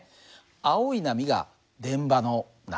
青い波が電場の波。